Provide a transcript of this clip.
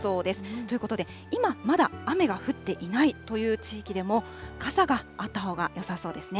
ということで、今まだ雨が降っていないという地域でも、傘があったほうがよさそうですね。